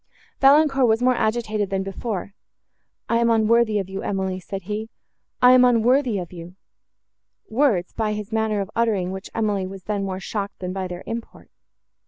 Valancourt was more agitated than before. "I am unworthy of you, Emily," said he, "I am unworthy of you;"—words, by his manner of uttering which Emily was then more shocked than by their import.